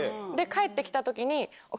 帰って来た時に。